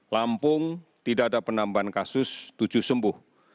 lampung tidak ada penambahan kasus tujuh sembuh